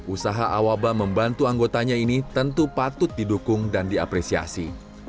usaha awaba membantu anggotanya ini tentu patut didukung dan diapresiasi